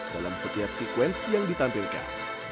dalam setiap sekuensi yang ditampilkan